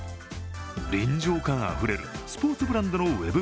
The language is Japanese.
臨場感あふれるスポーツブランドのウェブ